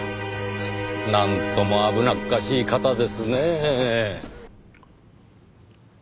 なんとも危なっかしい方ですねぇ。